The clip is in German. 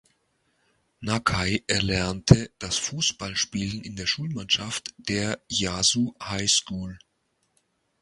Nakai erlernte das Fußballspielen in der Schulmannschaft der "Yasu High School".